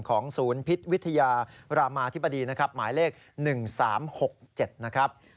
ของศูนย์พิษวิทยารามาธิบดีหมายเลข๑๓๖๗